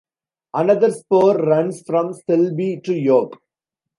Another spur runs from Selby to York.